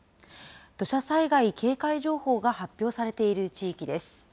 土砂災害警戒情報が発表されている地域です。